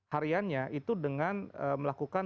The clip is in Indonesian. hariannya itu dengan melakukan